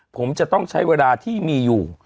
ผมจะต้องใช้เวลาที่มีอยู่